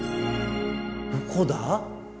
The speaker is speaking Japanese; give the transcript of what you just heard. どこだ？